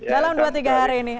dalam dua tiga hari ini